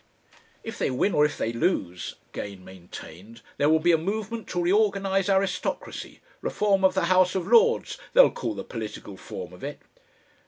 "If they win or if they lose," Gane maintained, "there will be a movement to reorganise aristocracy Reform of the House of Lords, they'll call the political form of it."